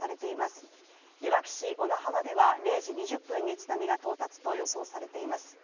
いわき市小名浜では０時２０分に津波が到達と予想されています。